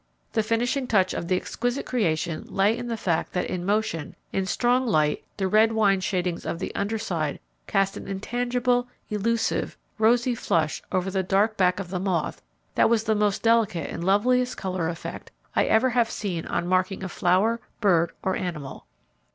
The finishing touch of the exquisite creation lay in the fact that in motion, in strong light the red wine shadings of the under side cast an intangible, elusive, rosy flush over the dark back of the moth that was the mast delicate and loveliest colour effect I ever have seen on marking of flower, bird, or animal.